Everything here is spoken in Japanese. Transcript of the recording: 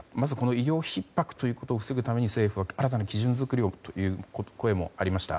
医療ひっ迫を防ぐために新たな基準づくりをという声もありました。